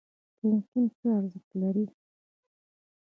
پوهنتون څه ارزښت لري؟